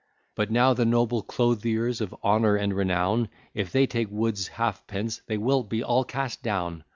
But now the noble clothiers Of honour and renown, If they take Wood's halfpence They will be all cast down.